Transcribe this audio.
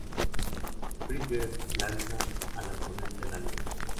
Bridget: Lanza al oponente a la luna.